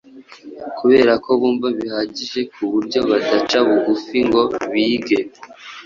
kubera ko bumva bihagije ku buryo badaca bugufi ngo bige.